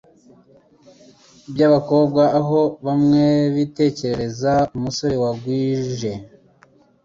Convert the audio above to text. by'abakobwa aho bamwe bitekerereza umusore wagwije a